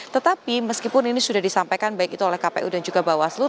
tetapi meskipun ini sudah disampaikan baik itu oleh kpu dan juga bawaslu